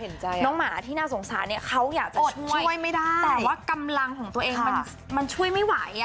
น้องหมาที่น่าสงสารเนี่ยเขาอยากจะช่วยไม่ได้แต่ว่ากำลังของตัวเองมันมันช่วยไม่ไหวอ่ะ